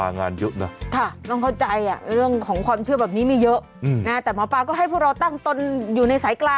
ง้อเมียง้อแม่ยายค่ะ